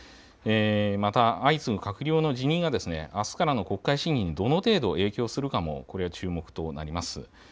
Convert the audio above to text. また相次ぐ閣僚の辞任があすからの国会審議にどの程度影響するかも注目となります。